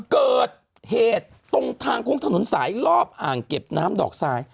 เกิดเหตุตรงทางโค้งถนนสายรอบอ่างเก็บน้ำดอกทราย